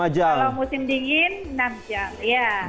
kalau musim dingin enam jam